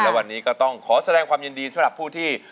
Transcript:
และวันนี้ก็ต้องขอแสดงความยินดีสำหรับผู้ที่